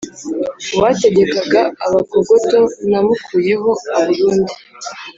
Uwategekaga Abakogoto namukuyeho abarundi,